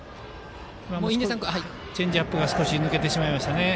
チェンジアップが少し抜けてしまいましたね。